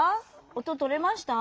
音とれました？